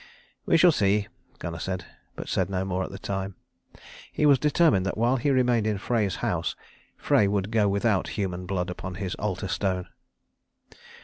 "We shall see," Gunnar said, but said no more at the time. He was determined that while he remained in Frey's house Frey would go without human blood upon his altar stone.